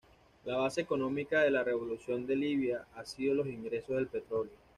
La base económica de la revolución de Libia ha sido los ingresos del petróleo.